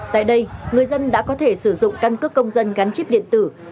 tại đây người dân đã có thể sử dụng căn cước công dân gắn chip điện tử